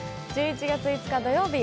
１１月５日土曜日